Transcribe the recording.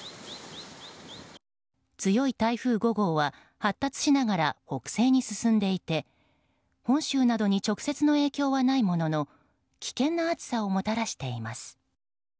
強い台風５号は発達しながら北西に進んでいて本州などに直接の影響はないものの危険な暑さをもたらしています。